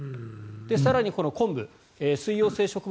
更にこの昆布水溶性植物